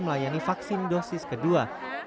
melayani vaksin dosis kedua